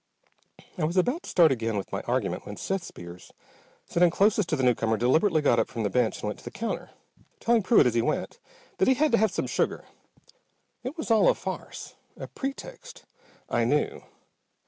I was about to start again with my argument when Seth Spears, sitting closest to the newcomer, deliberately got up from the bench and went to the counter, telling Pruett as he went that he had to have some sugar. It was all a farce, a pretext, I knew.